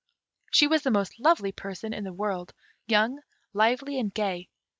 She was the most lovely person in the world young, lively, and gay.